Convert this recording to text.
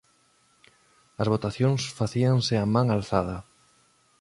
As votacións facíanse a man alzada.